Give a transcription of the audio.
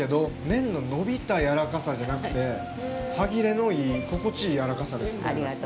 麺の伸びたやらかさじゃなくて歯切れのいい、心地いいやわらかさですね。